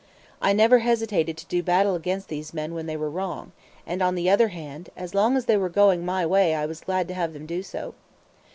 I never hesitated to do battle against these men when they were wrong; and, on the other hand, as long as they were going my way I was glad to have them do so.